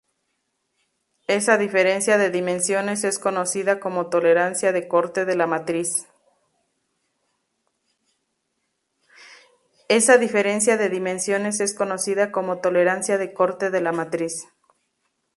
Esa diferencia de dimensiones es conocida como tolerancia de corte de la matriz.